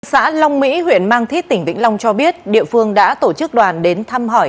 xã long mỹ huyện mang thít tỉnh vĩnh long cho biết địa phương đã tổ chức đoàn đến thăm hỏi